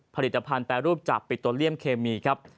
ผลิตภัณฑ์แปรรูปจากปิโตเลียมเคมีครับ